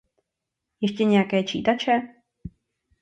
Ještě nějaké čítače?